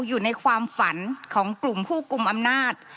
อยู่ในความฝันของกลุ่มผู้กลุ่มอำนาจ